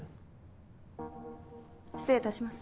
失礼いたします。